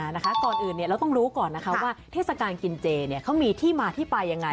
นะคะก่อนอื่นเราต้องรู้ก่อนนะคะว่าเทศกาลกินเจเนี่ยเขามีที่มาที่ไปยังไง